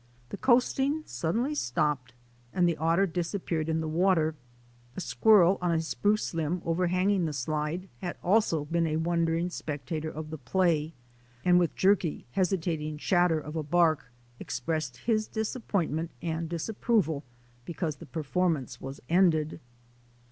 The coasting suddenly stopped and the otter disappeared in the water. A squirrel on a spruce limb overhanging the slide had also been a wondering spectator of the play, and with jerky, hesitating chatter of a bark expressed his disap pointment and disapproval because the perform ance was ended.